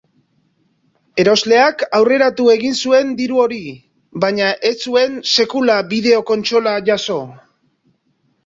Erosleak aurreratu egin zuen diru hori, baina ez zuen sekula bideo-kontsola jaso.